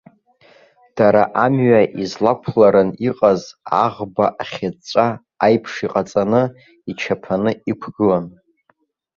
Дара амҩа излақәларан иҟаз аӷба ахьыҵәҵәа аиԥш иҟаҵаны, ичаԥаны иқәгылан.